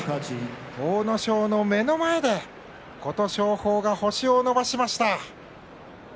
阿武咲の目の前で琴勝峰が星を伸ばしました。